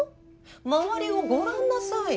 周りをご覧なさい。